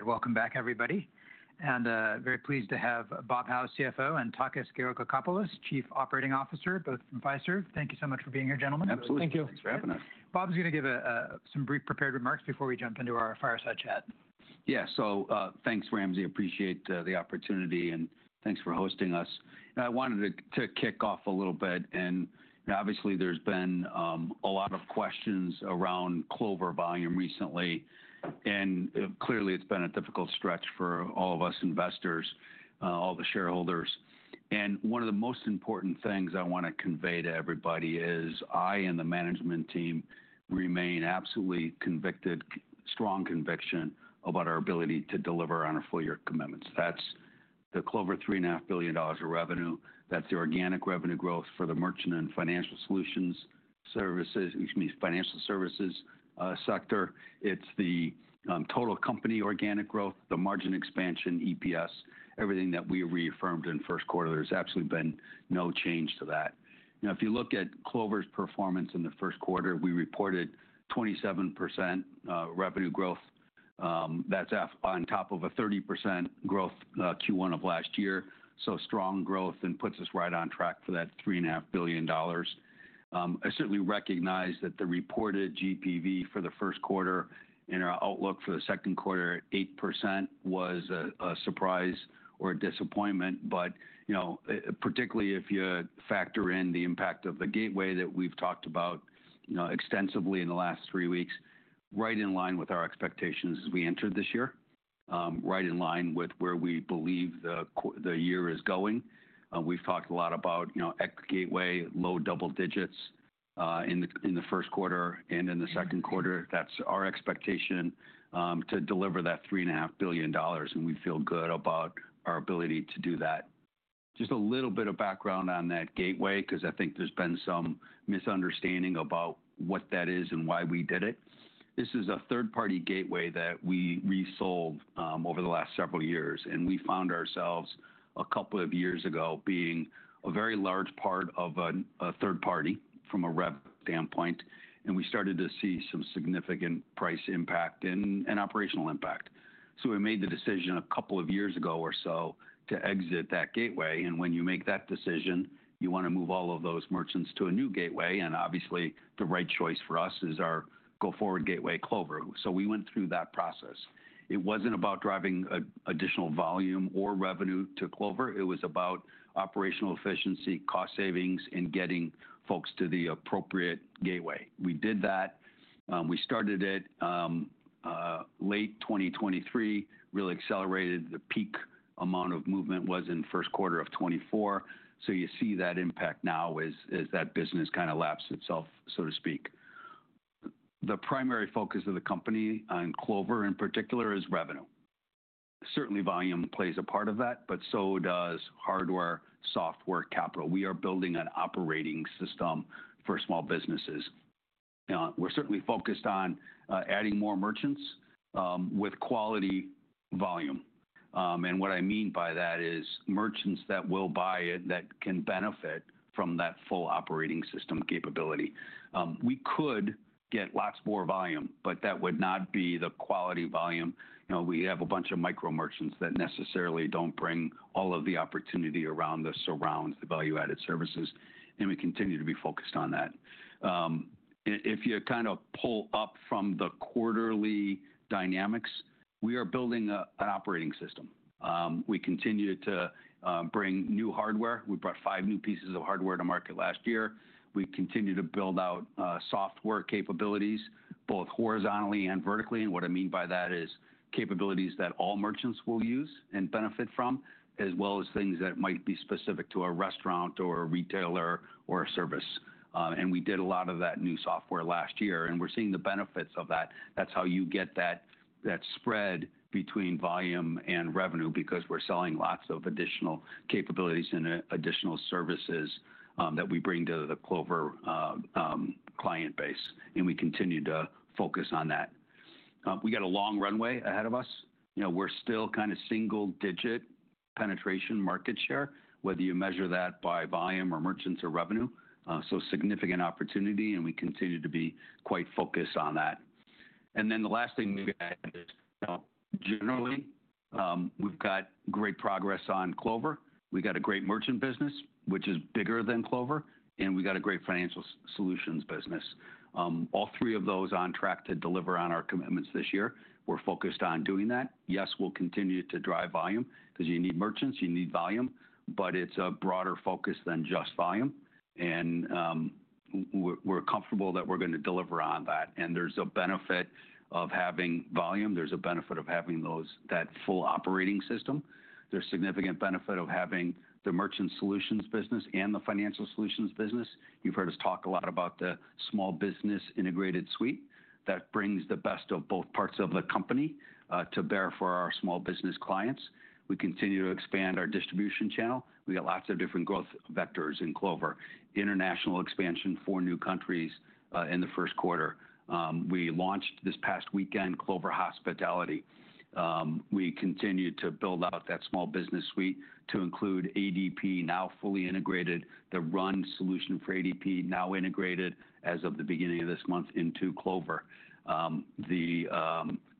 All right, welcome back, everybody. Very pleased to have Bob Hau, CFO, and Takis Georgakopoulos, Chief Operating Officer, both from Fiserv. Thank you so much for being here, gentlemen. Absolutely. Thank you for having us. Bob's going to give some brief prepared remarks before we jump into our fireside chat. Yeah, so thanks, Ramsey. Appreciate the opportunity, and thanks for hosting us. I wanted to kick off a little bit. Obviously, there's been a lot of questions around Clover volume recently. Clearly, it's been a difficult stretch for all of us investors, all the shareholders. One of the most important things I want to convey to everybody is I and the management team remain absolutely convicted, strong conviction about our ability to deliver on our four-year commitments. That's the Clover $3.5 billion of revenue. That's the organic revenue growth for the merchant and financial services sector. It's the total company organic growth, the margin expansion, EPS, everything that we reaffirmed in first quarter. There's absolutely been no change to that. Now, if you look at Clover's performance in the first quarter, we reported 27% revenue growth. That's on top of a 30% growth Q1 of last year. Strong growth puts us right on track for that $3.5 billion. I certainly recognize that the reported GPV for the first quarter and our outlook for the second quarter, 8%, was a surprise or a disappointment. Particularly if you factor in the impact of the gateway that we have talked about extensively in the last three weeks, it is right in line with our expectations as we entered this year, right in line with where we believe the year is going. We have talked a lot about gateway, low double digits in the first quarter and in the second quarter. That is our expectation to deliver that $3.5 billion. We feel good about our ability to do that. Just a little bit of background on that gateway, because I think there has been some misunderstanding about what that is and why we did it. This is a third-party gateway that we resold over the last several years. We found ourselves a couple of years ago being a very large part of a third party from a revenue standpoint. We started to see some significant price impact and operational impact. We made the decision a couple of years ago or so to exit that gateway. When you make that decision, you want to move all of those merchants to a new gateway. Obviously, the right choice for us is our go-forward gateway, Clover. We went through that process. It was not about driving additional volume or revenue to Clover. It was about operational efficiency, cost savings, and getting folks to the appropriate gateway. We did that. We started it late 2023, really accelerated. The peak amount of movement was in the first quarter of 2024. You see that impact now as that business kind of lapsed itself, so to speak. The primary focus of the company on Clover in particular is revenue. Certainly, volume plays a part of that, but so does hardware, software, capital. We are building an operating system for small businesses. We're certainly focused on adding more merchants with quality volume. What I mean by that is merchants that will buy it, that can benefit from that full operating system capability. We could get lots more volume, but that would not be the quality volume. We have a bunch of micro merchants that necessarily do not bring all of the opportunity around the surrounds, the value-added services. We continue to be focused on that. If you kind of pull up from the quarterly dynamics, we are building an operating system. We continue to bring new hardware. We brought five new pieces of hardware to market last year. We continue to build out software capabilities, both horizontally and vertically. What I mean by that is capabilities that all merchants will use and benefit from, as well as things that might be specific to a restaurant or a retailer or a service. We did a lot of that new software last year. We are seeing the benefits of that. That is how you get that spread between volume and revenue, because we are selling lots of additional capabilities and additional services that we bring to the Clover client base. We continue to focus on that. We have a long runway ahead of us. We are still kind of single-digit penetration market share, whether you measure that by volume or merchants or revenue. Significant opportunity. We continue to be quite focused on that. The last thing we've got is generally, we've got great progress on Clover. We've got a great merchant business, which is bigger than Clover. We've got a great financial solutions business. All three of those on track to deliver on our commitments this year. We're focused on doing that. Yes, we'll continue to drive volume, because you need merchants, you need volume. It is a broader focus than just volume. We're comfortable that we're going to deliver on that. There is a benefit of having volume. There is a benefit of having that full operating system. There is significant benefit of having the merchant solutions business and the financial solutions business. You've heard us talk a lot about the small business integrated suite that brings the best of both parts of the company to bear for our small business clients. We continue to expand our distribution channel. We got lots of different growth vectors in Clover. International expansion for new countries in the first quarter. We launched this past weekend Clover Hospitality. We continue to build out that small business suite to include ADP, now fully integrated. The run solution for ADP, now integrated as of the beginning of this month into Clover. The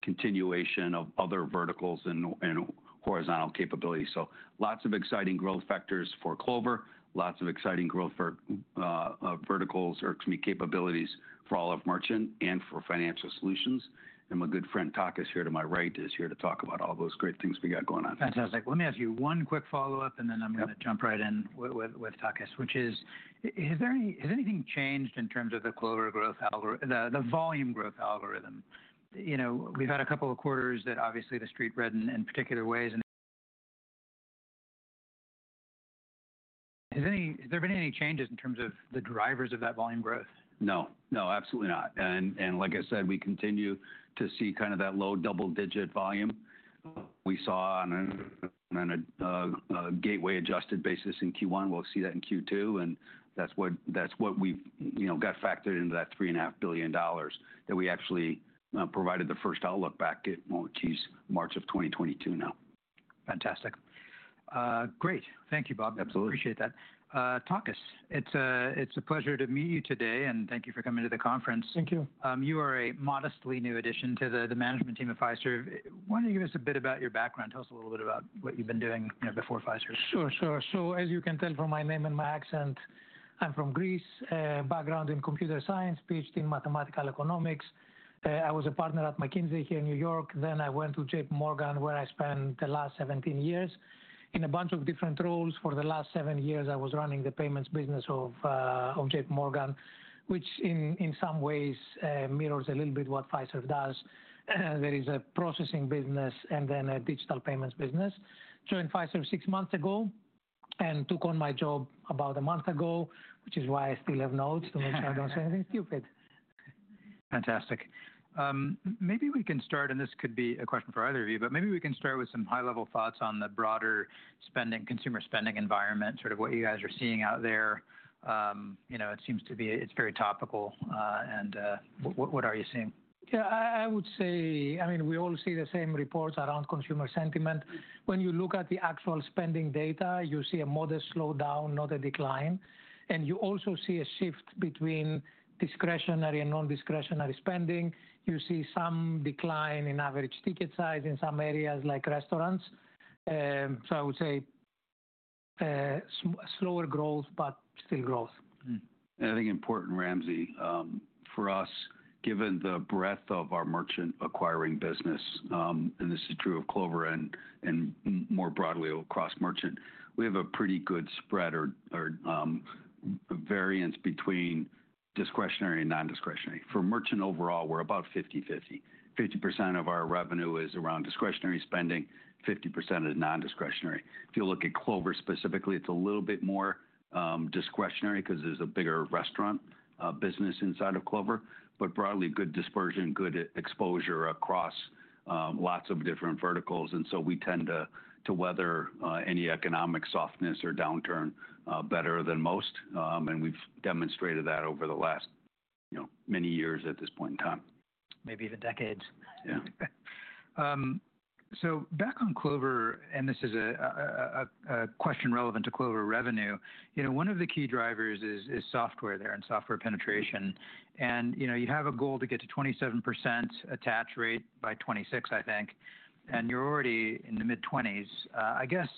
continuation of other verticals and horizontal capabilities. Lots of exciting growth factors for Clover, lots of exciting growth for verticals or capabilities for all of Merchant and for Financial Solutions. My good friend Takis here to my right is here to talk about all those great things we got going on. Fantastic. Let me ask you one quick follow-up, and then I'm going to jump right in with Takis, which is, has anything changed in terms of the Clover growth algorithm, the volume growth algorithm? We've had a couple of quarters that obviously the street read in particular ways. Has there been any changes in terms of the drivers of that volume growth? No, no, absolutely not. Like I said, we continue to see kind of that low double-digit volume we saw on a gateway-adjusted basis in Q1. We will see that in Q2. That is what we have got factored into that $3.5 billion that we actually provided the first outlook back in March of 2022 now. Fantastic. Great. Thank you, Bob. Absolutely. Appreciate that. Takis, it's a pleasure to meet you today. Thank you for coming to the conference. Thank you. You are a modestly new addition to the management team at Fiserv. Why don't you give us a bit about your background? Tell us a little bit about what you've been doing before Fiserv. Sure, sure. As you can tell from my name and my accent, I'm from Greece, a background in computer science, PhD in mathematical economics. I was a partner at McKinsey here in New York. Then I went to JPMorgan, where I spent the last 17 years in a bunch of different roles. For the last seven years, I was running the payments business of JPMorgan, which in some ways mirrors a little bit what Fiserv does. There is a processing business and then a digital payments business. Joined Fiserv six months ago and took on my job about a month ago, which is why I still have notes to make sure I don't say anything stupid. Fantastic. Maybe we can start, and this could be a question for either of you, but maybe we can start with some high-level thoughts on the broader consumer spending environment, sort of what you guys are seeing out there. It seems to be it's very topical. What are you seeing? Yeah, I would say, I mean, we all see the same reports around consumer sentiment. When you look at the actual spending data, you see a modest slowdown, not a decline. You also see a shift between discretionary and non-discretionary spending. You see some decline in average ticket size in some areas like restaurants. I would say slower growth, but still growth. I think important, Ramsey, for us, given the breadth of our merchant acquiring business, and this is true of Clover and more broadly across merchant, we have a pretty good spread or variance between discretionary and non-discretionary. For merchant overall, we're about 50/50. 50% of our revenue is around discretionary spending, 50% is non-discretionary. If you look at Clover specifically, it's a little bit more discretionary because there's a bigger restaurant business inside of Clover. Broadly, good dispersion, good exposure across lots of different verticals. We tend to weather any economic softness or downturn better than most. We have demonstrated that over the last many years at this point in time. Maybe even decades. Yeah. Back on Clover, and this is a question relevant to Clover revenue. One of the key drivers is software there and software penetration. You have a goal to get to 27% attach rate by 2026, I think. You are already in the mid-20s. I guess,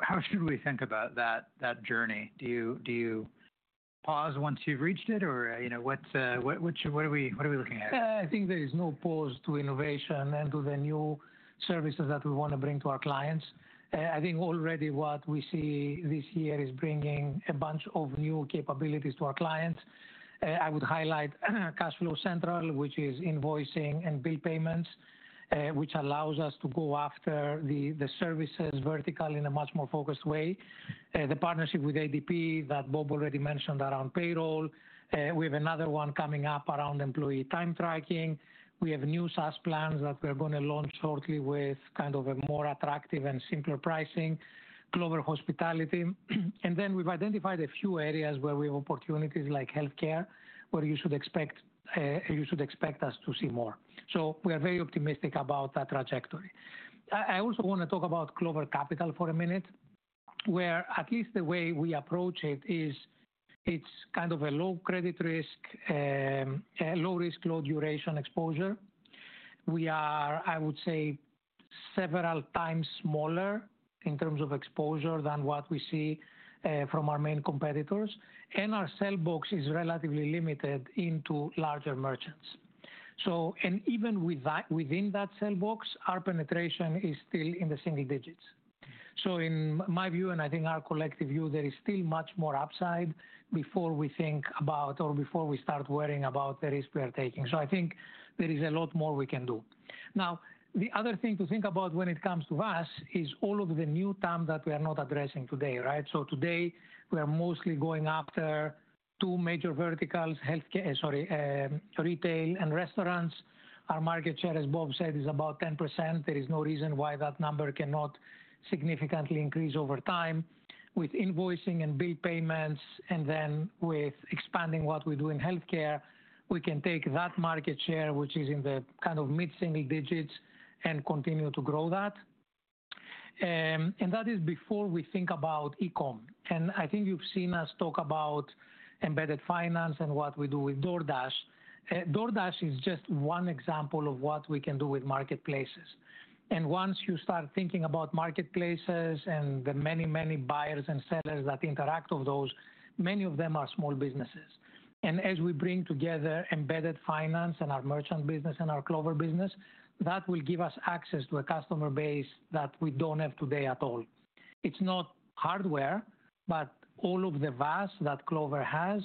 how should we think about that journey? Do you pause once you have reached it? Or what are we looking at? I think there is no pause to innovation and to the new services that we want to bring to our clients. I think already what we see this year is bringing a bunch of new capabilities to our clients. I would highlight Cash Flow Central, which is invoicing and bill payments, which allows us to go after the services vertical in a much more focused way. The partnership with ADP that Bob already mentioned around payroll. We have another one coming up around employee time tracking. We have new SaaS plans that we're going to launch shortly with kind of a more attractive and simpler pricing, Clover Hospitality. We have identified a few areas where we have opportunities like health care, where you should expect us to see more. We are very optimistic about that trajectory. I also want to talk about Clover Capital for a minute, where at least the way we approach it is it's kind of a low credit risk, low risk, low duration exposure. We are, I would say, several times smaller in terms of exposure than what we see from our main competitors. Our sale box is relatively limited into larger merchants. Even within that sale box, our penetration is still in the single digits. In my view, and I think our collective view, there is still much more upside before we think about or before we start worrying about the risk we are taking. I think there is a lot more we can do. Now, the other thing to think about when it comes to us is all of the new terms that we are not addressing today, right? Today, we are mostly going after two major verticals, sorry, retail and restaurants. Our market share, as Bob said, is about 10%. There is no reason why that number cannot significantly increase over time. With invoicing and bill payments, and then with expanding what we do in health care, we can take that market share, which is in the kind of mid-single digits, and continue to grow that. That is before we think about e-com. I think you have seen us talk about embedded finance and what we do with DoorDash. DoorDash is just one example of what we can do with marketplaces. Once you start thinking about marketplaces and the many, many buyers and sellers that interact with those, many of them are small businesses. As we bring together embedded finance and our merchant business and our Clover business, that will give us access to a customer base that we do not have today at all. It is not hardware, but all of the VAS that Clover has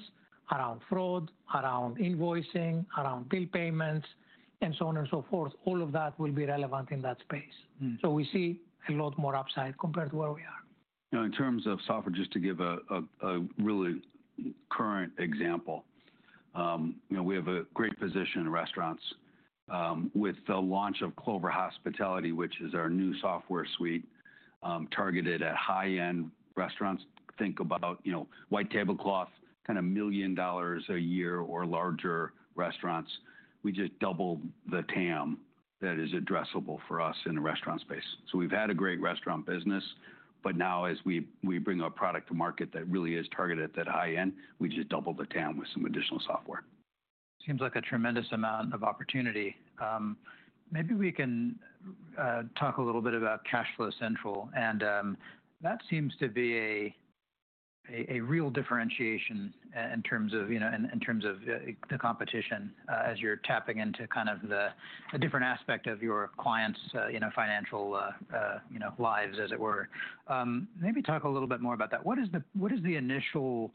around fraud, around invoicing, around bill payments, and so on and so forth, all of that will be relevant in that space. We see a lot more upside compared to where we are. Now, in terms of software, just to give a really current example, we have a great position in restaurants with the launch of Clover Hospitality, which is our new software suite targeted at high-end restaurants. Think about white tablecloth, kind of $1 million a year or larger restaurants. We just doubled the TAM that is addressable for us in the restaurant space. We have had a great restaurant business, but now as we bring our product to market that really is targeted at that high end, we just doubled the TAM with some additional software. Seems like a tremendous amount of opportunity. Maybe we can talk a little bit about Cash Flow Central. That seems to be a real differentiation in terms of the competition as you're tapping into kind of the different aspect of your clients' financial lives, as it were. Maybe talk a little bit more about that. What has the initial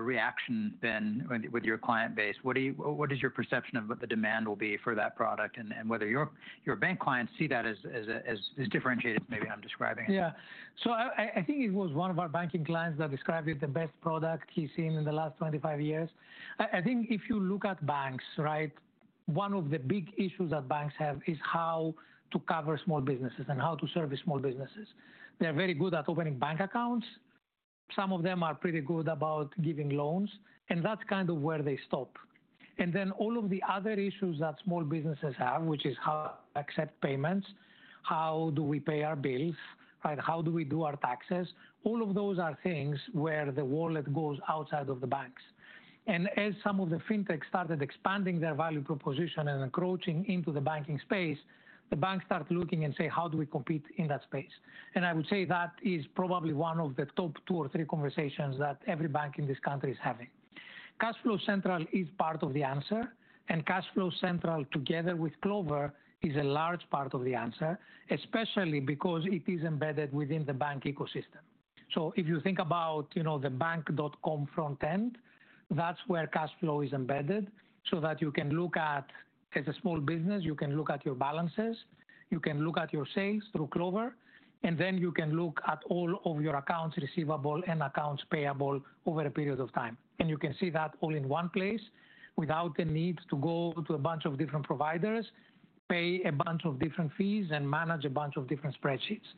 reaction been with your client base? What is your perception of what the demand will be for that product and whether your bank clients see that as differentiated maybe I'm describing it? Yeah. I think it was one of our banking clients that described it, the best product he has seen in the last 25 years. I think if you look at banks, right, one of the big issues that banks have is how to cover small businesses and how to service small businesses. They are very good at opening bank accounts. Some of them are pretty good about giving loans. That is kind of where they stop. All of the other issues that small businesses have, which is how to accept payments, how do we pay our bills, right, how do we do our taxes, all of those are things where the wallet goes outside of the banks. As some of the fintechs started expanding their value proposition and encroaching into the banking space, the banks start looking and say, how do we compete in that space? I would say that is probably one of the top two or three conversations that every bank in this country is having. Cash Flow Central is part of the answer. Cash Flow Central, together with Clover, is a large part of the answer, especially because it is embedded within the bank ecosystem. If you think about the bank.com front end, that is where Cash Flow is embedded so that you can look at, as a small business, you can look at your balances, you can look at your sales through Clover, and then you can look at all of your accounts receivable and accounts payable over a period of time. You can see that all in one place without the need to go to a bunch of different providers, pay a bunch of different fees, and manage a bunch of different spreadsheets.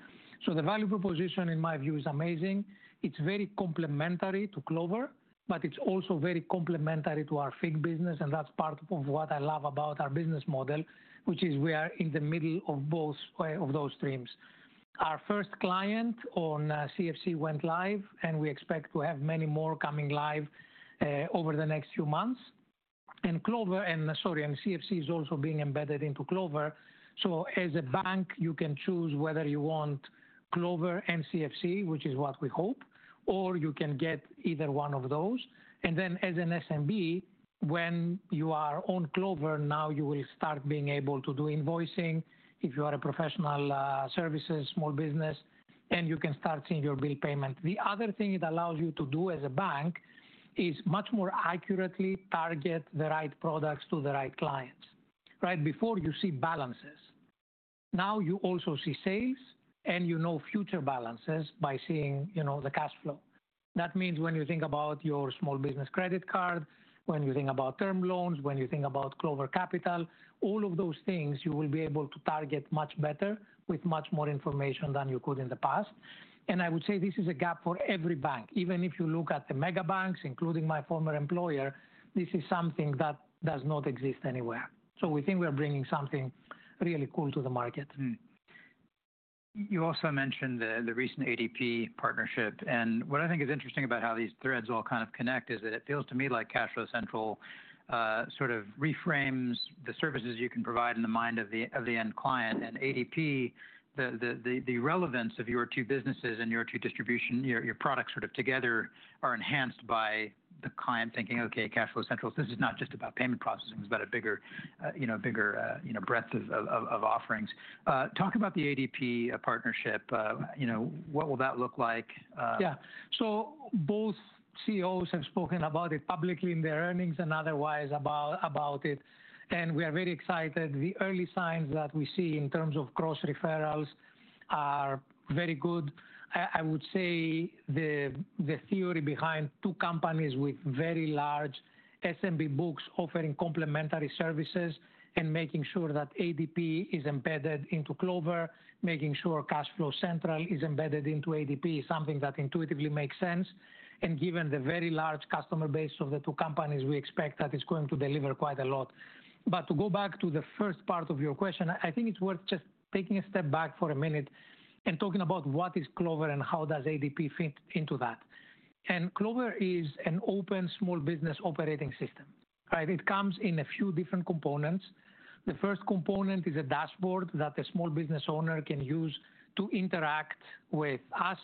The value proposition, in my view, is amazing. It is very complementary to Clover, but it is also very complementary to our FIG business. That is part of what I love about our business model, which is we are in the middle of both of those streams. Our first client on CFC went live, and we expect to have many more coming live over the next few months. Clover and, sorry, CFC is also being embedded into Clover. As a bank, you can choose whether you want Clover and CFC, which is what we hope, or you can get either one of those. As an SMB, when you are on Clover, now you will start being able to do invoicing if you are a professional services small business, and you can start seeing your bill payment. The other thing it allows you to do as a bank is much more accurately target the right products to the right clients, right? Before you see balances, now you also see sales, and you know future balances by seeing the cash flow. That means when you think about your small business credit card, when you think about term loans, when you think about Clover Capital, all of those things you will be able to target much better with much more information than you could in the past. I would say this is a gap for every bank. Even if you look at the mega banks, including my former employer, this is something that does not exist anywhere. We think we are bringing something really cool to the market. You also mentioned the recent ADP partnership. What I think is interesting about how these threads all kind of connect is that it feels to me like Cash Flow Central sort of reframes the services you can provide in the mind of the end client. ADP, the relevance of your two businesses and your two distribution, your products sort of together are enhanced by the client thinking, okay, Cash Flow Central, this is not just about payment processing, it's about a bigger breadth of offerings. Talk about the ADP partnership. What will that look like? Yeah. Both CEOs have spoken about it publicly in their earnings and otherwise about it. We are very excited. The early signs that we see in terms of cross referrals are very good. I would say the theory behind two companies with very large SMB books offering complementary services and making sure that ADP is embedded into Clover, making sure Cash Flow Central is embedded into ADP is something that intuitively makes sense. Given the very large customer base of the two companies, we expect that it is going to deliver quite a lot. To go back to the first part of your question, I think it is worth just taking a step back for a minute and talking about what is Clover and how does ADP fit into that. Clover is an open small business operating system, right? It comes in a few different components. The first component is a dashboard that a small business owner can use to interact with us,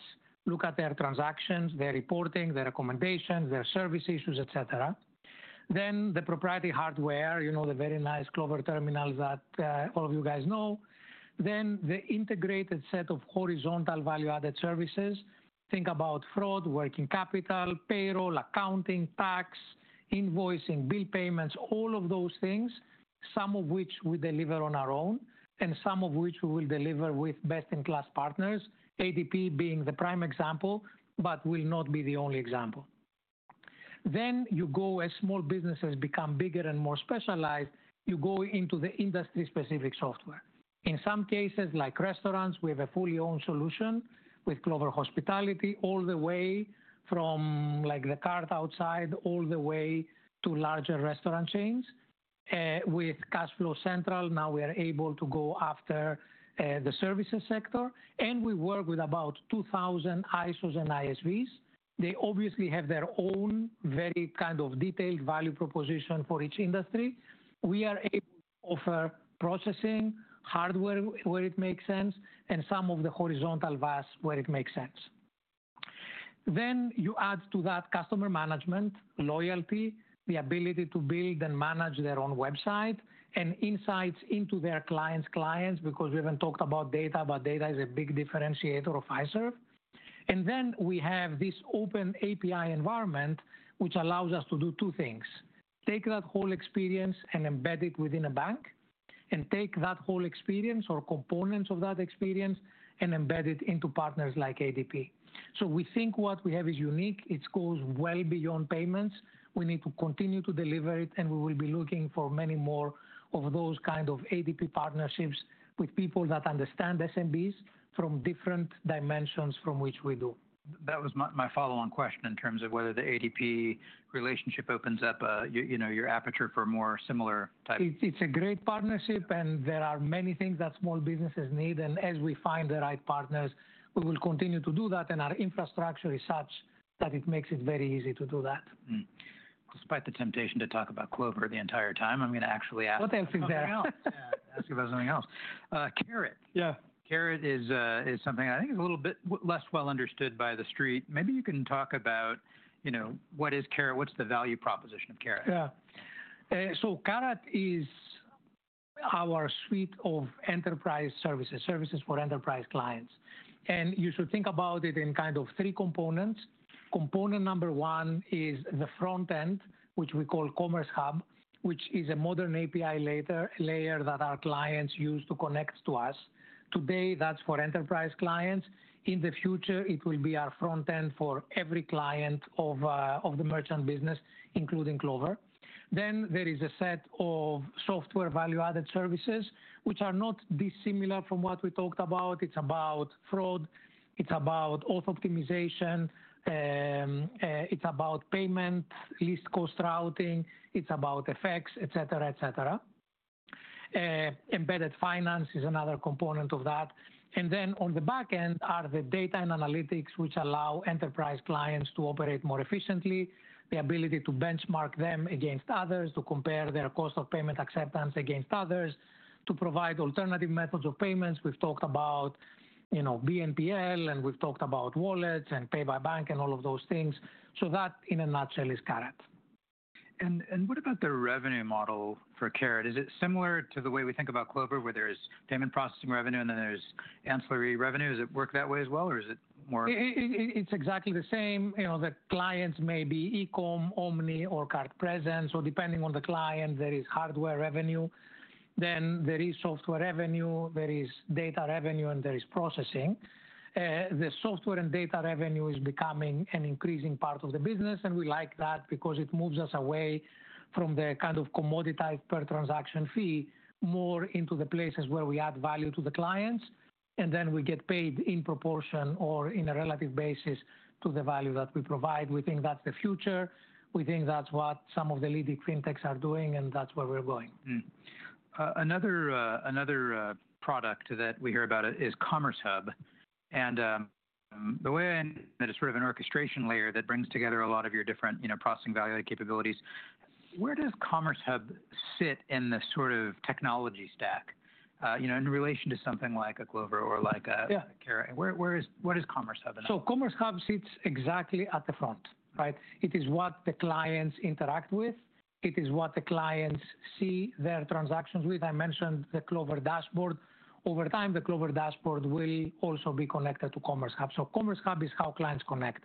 look at their transactions, their reporting, their recommendations, their service issues, et cetera. The proprietary hardware, you know, the very nice Clover terminals that all of you guys know. The integrated set of horizontal value-added services. Think about fraud, working capital, payroll, accounting, tax, invoicing, bill payments, all of those things, some of which we deliver on our own and some of which we will deliver with best-in-class partners, ADP being the prime example, but will not be the only example. As small businesses become bigger and more specialized, you go into the industry-specific software. In some cases, like restaurants, we have a fully owned solution with Clover Hospitality all the way from like the cart outside, all the way to larger restaurant chains. With Cash Flow Central, now we are able to go after the services sector. We work with about 2,000 ISOs and ISVs. They obviously have their own very kind of detailed value proposition for each industry. We are able to offer processing hardware where it makes sense and some of the horizontal VAS where it makes sense. You add to that customer management, loyalty, the ability to build and manage their own website, and insights into their clients' clients because we have not talked about data, but data is a big differentiator of Fiserv. We have this open API environment, which allows us to do two things. Take that whole experience and embed it within a bank and take that whole experience or components of that experience and embed it into partners like ADP. We think what we have is unique. It goes well beyond payments. We need to continue to deliver it, and we will be looking for many more of those kind of ADP partnerships with people that understand SMBs from different dimensions from which we do. That was my follow-on question in terms of whether the ADP relationship opens up your aperture for a more similar type. It's a great partnership, and there are many things that small businesses need. As we find the right partners, we will continue to do that. Our infrastructure is such that it makes it very easy to do that. Despite the temptation to talk about Clover the entire time, I'm going to actually ask you something else. What else is there? Yeah, ask you about something else. Carrot. Yeah. Carrot is something I think is a little bit less well understood by the street. Maybe you can talk about what is Carrot? What's the value proposition of Carrot? Yeah. Carrot is our suite of enterprise services, services for enterprise clients. You should think about it in kind of three components. Component number one is the front end, which we call Commerce Hub, which is a modern API layer that our clients use to connect to us. Today, that is for enterprise clients. In the future, it will be our front end for every client of the merchant business, including Clover. There is a set of software value-added services, which are not dissimilar from what we talked about. It is about fraud. It is about auth optimization. It is about payment, least cost routing. It is about FX, et cetera, et cetera. Embedded finance is another component of that. On the back end are the data and analytics, which allow enterprise clients to operate more efficiently, the ability to benchmark them against others, to compare their cost of payment acceptance against others, to provide alternative methods of payments. We've talked about BNPL, and we've talked about wallets and pay by bank and all of those things. That in a nutshell is Carrot. What about the revenue model for Carrot? Is it similar to the way we think about Clover, where there's payment processing revenue and then there's ancillary revenue? Does it work that way as well, or is it more? It's exactly the same. The clients may be e-com, omni, or card presence. Depending on the client, there is hardware revenue. There is software revenue. There is data revenue, and there is processing. The software and data revenue is becoming an increasing part of the business. We like that because it moves us away from the kind of commoditized per transaction fee more into the places where we add value to the clients, and then we get paid in proportion or in a relative basis to the value that we provide. We think that's the future. We think that's what some of the leading fintechs are doing, and that's where we're going. Another product that we hear about is Commerce Hub. The way that it's sort of an orchestration layer that brings together a lot of your different processing value-added capabilities, where does Commerce Hub sit in the sort of technology stack in relation to something like a Clover or like a Carrot? Where is Commerce Hub? Commerce Hub sits exactly at the front, right? It is what the clients interact with. It is what the clients see their transactions with. I mentioned the Clover dashboard. Over time, the Clover dashboard will also be connected to Commerce Hub. Commerce Hub is how clients connect.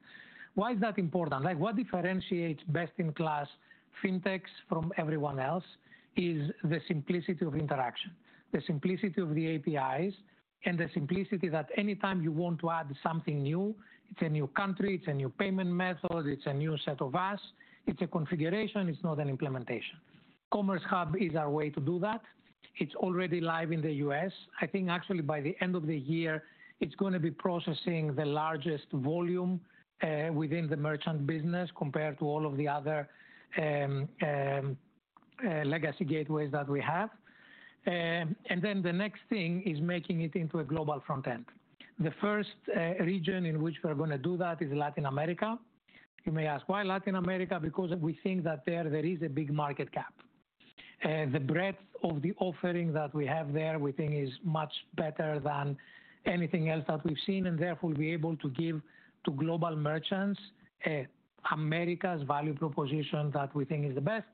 Why is that important? What differentiates best-in-class fintechs from everyone else is the simplicity of interaction, the simplicity of the APIs, and the simplicity that anytime you want to add something new, it's a new country, it's a new payment method, it's a new set of VAS, it's a configuration, it's not an implementation. Commerce Hub is our way to do that. It's already live in the U.S. I think actually by the end of the year, it's going to be processing the largest volume within the merchant business compared to all of the other legacy gateways that we have. The next thing is making it into a global front end. The first region in which we're going to do that is Latin America. You may ask, why Latin America? Because we think that there is a big market gap. The breadth of the offering that we have there, we think, is much better than anything else that we've seen, and therefore we'll be able to give to global merchants America's value proposition that we think is the best.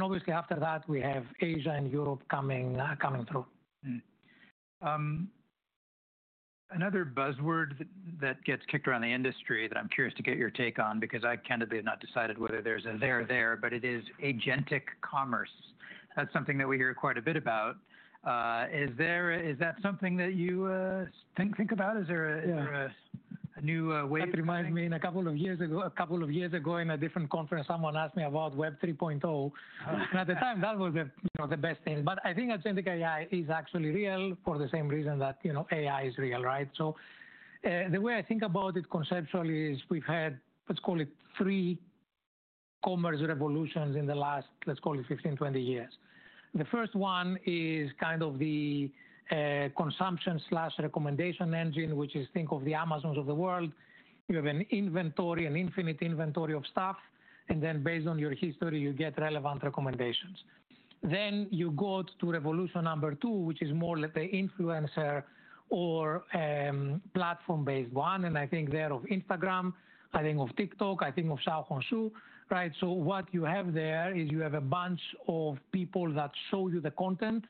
Obviously, after that, we have Asia and Europe coming through. Another buzzword that gets kicked around the industry that I'm curious to get your take on, because I candidly have not decided whether there's a there there, but it is agentic commerce. That's something that we hear quite a bit about. Is that something that you think about? Is there a new way? That reminds me a couple of years ago, a couple of years ago in a different conference, someone asked me about Web 3.0. At the time, that was the best thing. I think agentic AI is actually real for the same reason that AI is real, right? The way I think about it conceptually is we've had, let's call it, three commerce revolutions in the last, let's call it, 15-20 years. The first one is kind of the consumption/recommendation engine, which is think of the Amazons of the world. You have an inventory, an infinite inventory of stuff, and then based on your history, you get relevant recommendations. You go to revolution number two, which is more like the influencer or platform-based one. I think there of Instagram, I think of TikTok, I think of Xiaohongshu, right? What you have there is you have a bunch of people that show you the content,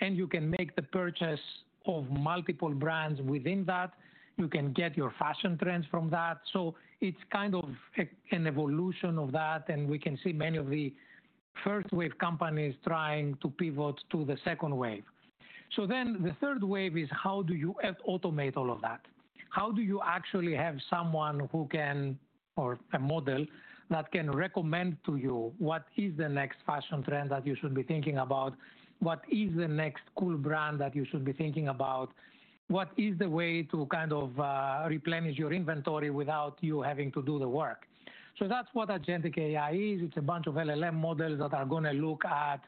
and you can make the purchase of multiple brands within that. You can get your fashion trends from that. It's kind of an evolution of that, and we can see many of the first wave companies trying to pivot to the second wave. The third wave is how do you automate all of that? How do you actually have someone who can, or a model that can recommend to you what is the next fashion trend that you should be thinking about? What is the next cool brand that you should be thinking about? What is the way to kind of replenish your inventory without you having to do the work? That's what agentic AI is. It's a bunch of LLM models that are going to look at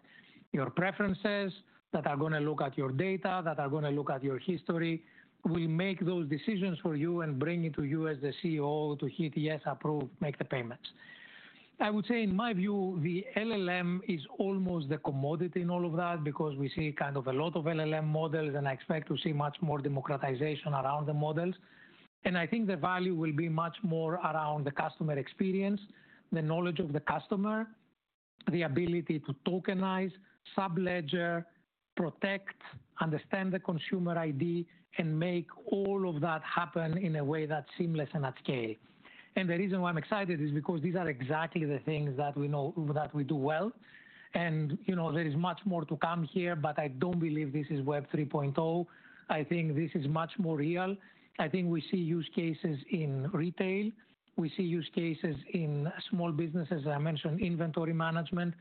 your preferences, that are going to look at your data, that are going to look at your history, will make those decisions for you and bring it to you as the CEO to hit, yes, approve, make the payments. I would say, in my view, the LLM is almost the commodity in all of that because we see kind of a lot of LLM models, and I expect to see much more democratization around the models. I think the value will be much more around the customer experience, the knowledge of the customer, the ability to tokenize, subledger, protect, understand the consumer ID, and make all of that happen in a way that's seamless and at scale. The reason why I'm excited is because these are exactly the things that we know that we do well. There is much more to come here, but I don't believe this is Web 3.0. I think this is much more real. I think we see use cases in retail. We see use cases in small businesses, as I mentioned, inventory management.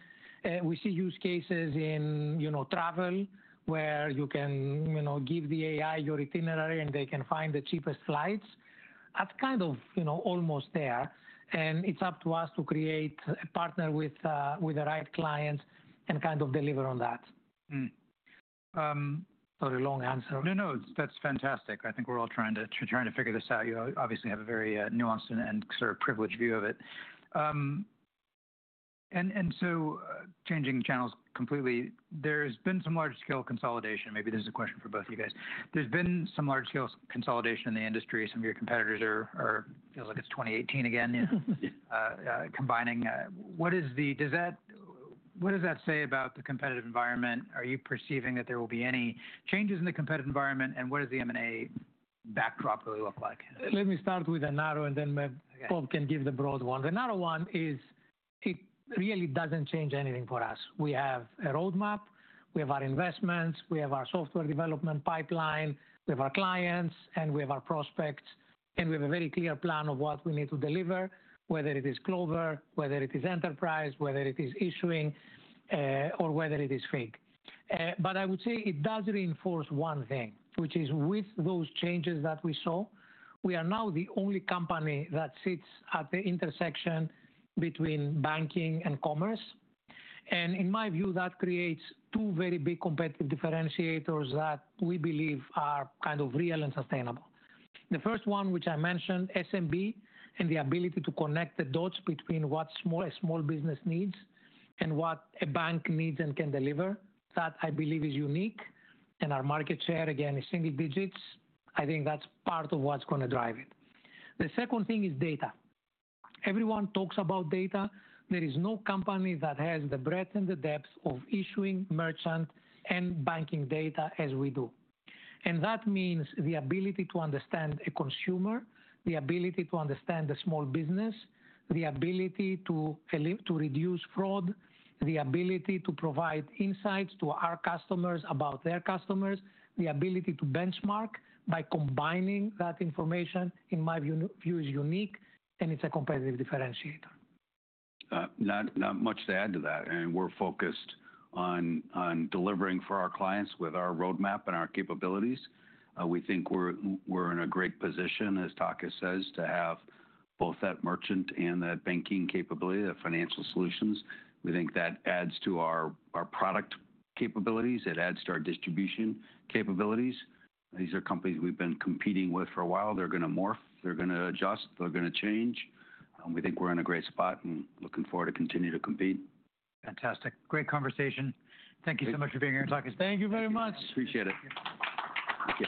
We see use cases in travel where you can give the AI your itinerary and they can find the cheapest flights. That's kind of almost there. It's up to us to create, partner with the right clients and kind of deliver on that. Sorry, long answer. No, no, that's fantastic. I think we're all trying to figure this out. You obviously have a very nuanced and sort of privileged view of it. Changing channels completely, there's been some large-scale consolidation. Maybe there's a question for both of you guys. There's been some large-scale consolidation in the industry. Some of your competitors are, it feels like it's 2018 again, combining. What does that say about the competitive environment? Are you perceiving that there will be any changes in the competitive environment? What does the M&A backdrop really look like? Let me start with the narrow, and then Paul can give the broad one. The narrow one is it really doesn't change anything for us. We have a roadmap. We have our investments. We have our software development pipeline. We have our clients, and we have our prospects. We have a very clear plan of what we need to deliver, whether it is Clover, whether it is enterprise, whether it is issuing, or whether it is FIG. I would say it does reinforce one thing, which is with those changes that we saw, we are now the only company that sits at the intersection between banking and commerce. In my view, that creates two very big competitive differentiators that we believe are kind of real and sustainable. The first one, which I mentioned, SMB and the ability to connect the dots between what a small business needs and what a bank needs and can deliver, that I believe is unique. Our market share, again, is single digits. I think that's part of what's going to drive it. The second thing is data. Everyone talks about data. There is no company that has the breadth and the depth of issuing, merchant, and banking data as we do. That means the ability to understand a consumer, the ability to understand a small business, the ability to reduce fraud, the ability to provide insights to our customers about their customers, the ability to benchmark by combining that information, in my view, is unique, and it's a competitive differentiator. Not much to add to that. We are focused on delivering for our clients with our roadmap and our capabilities. We think we are in a great position, as Takis says, to have both that merchant and that banking capability, the Financial Solutions. We think that adds to our product capabilities. It adds to our distribution capabilities. These are companies we have been competing with for a while. They are going to morph. They are going to adjust. They are going to change. We think we are in a great spot and looking forward to continue to compete. Fantastic. Great conversation. Thank you so much for being here, Takis. Thank you very much. Appreciate it. Good.